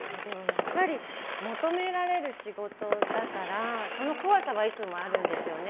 やっぱり求められる仕事だからその怖さはいつもあるんですよね。